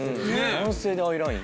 男性でアイライン。